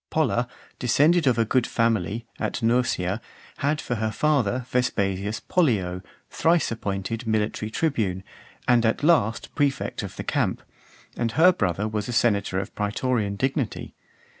Polla, descended of a good family, at Nursia , had for her father Vespasius Pollio, thrice appointed (442) military tribune, and at last prefect of the camp; and her brother was a senator of praetorian dignity.